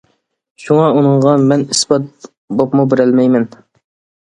شۇڭا، ئۇنىڭغا مەن ئىسپات بوپتۇ بېرەلەيمەن!